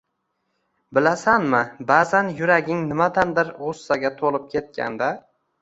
Bilasanmi... ba’zan yuraging nimadandir g‘ussaga to'lib ketganda